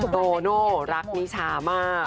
โตโน่รักนิชามาก